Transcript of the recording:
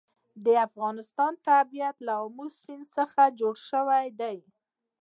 د افغانستان طبیعت له آمو سیند څخه جوړ شوی دی.